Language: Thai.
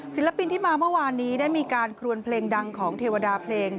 ศิลปินที่มาเมื่อวานนี้ได้มีการครวนเพลงดังของเทวดาเพลง